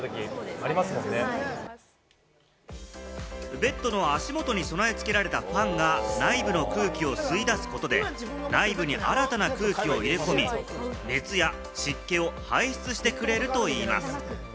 ベッドの足元に備え付けられたファンが内部の空気を吸い出すことで、内部に新たな空気を入れ込み、湿気を排出してくれるといいます。